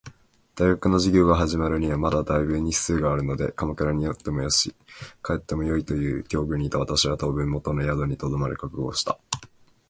学校の授業が始まるにはまだ大分日数があるので鎌倉におってもよし、帰ってもよいという境遇にいた私は、当分元の宿に留まる覚悟をした。